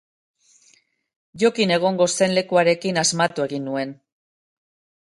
Jokin egongo zen lekuarekin asmatu egin nuen.